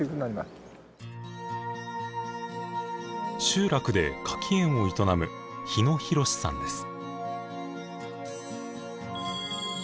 集落で柿園を営む日野洋さんです。